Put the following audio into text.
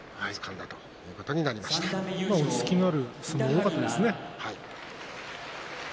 落ち着きのある相撲が多かったですね。